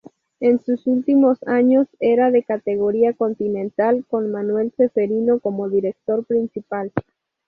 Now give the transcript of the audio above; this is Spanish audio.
En sus últimos años era de categoría Continental, con Manuel Zeferino como director principal.